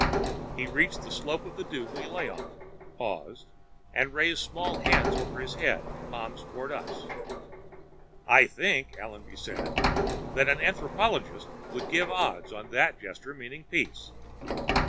He reached the slope of the dune we lay on, paused and raised small hands over his head, palms toward us. "I think," Allenby said, "that an anthropologist would give odds on that gesture meaning peace."